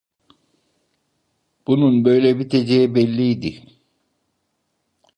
Bunun böyle biteceği belliydi!